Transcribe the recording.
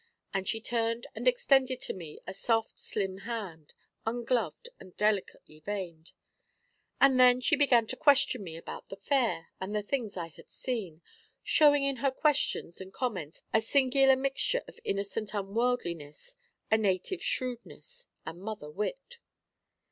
And she turned and extended to me a soft slim hand, ungloved and delicately veined; and then she began to question me about the Fair and the things I had seen, showing in her questions and comments a singular mixture of innocent unworldliness, and native shrewdness, and mother wit.